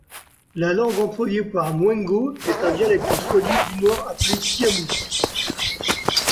La langue employée par Mwengo est un dialecte swahili du nord appelé le kiamu.